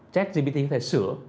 jack gpt có thể sửa